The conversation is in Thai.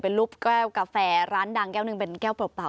เป็นรูปแก้วกาแฟร้านดังแก้วหนึ่งเป็นแก้วเปล่า